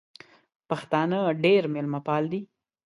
پښتانه ډېر مېلمه پال دي